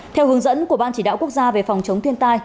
theo hướng dẫn của ban chỉ đạo quốc gia về phòng chống thiên tai